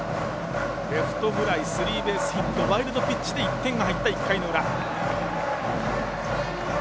レフトフライスリーベースヒットワイルドピッチで１点が入った１回の裏。